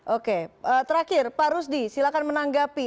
oke terakhir pak rusdi silakan menanggapi